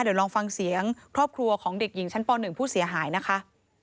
เดี๋ยวลองฟังเสียงครอบครัวของเด็กหญิงชั้นป๑ผู้เสียหายนะคะ